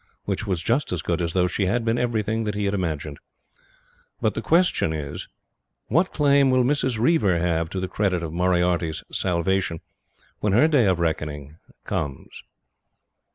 Which was just as good as though she had been everything that he had imagined. But the question is, what claim will Mrs. Reiver have to the credit of Moriarty's salvation, when her day of reckoning comes?